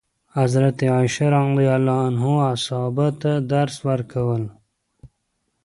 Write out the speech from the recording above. حضرت عایشه رضي الله عنها صحابه ته درس ورکول.